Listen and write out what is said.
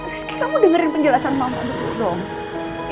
terus kamu dengerin penjelasan mama dulu dong